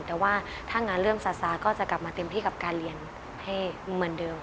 แต่ว่าถ้างานเริ่มซาซาก็จะกลับมาเต็มที่กับการเรียนให้เหมือนเดิม